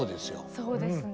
そうですね。